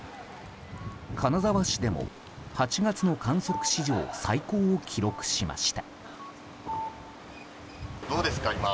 金沢市でも、８月の観測史上最高を記録しました。